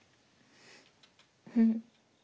うん。